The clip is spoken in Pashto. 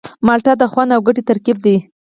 مالټه د خوند او ګټې ترکیب دی.